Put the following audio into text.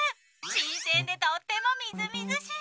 新鮮でとってもみずみずしい！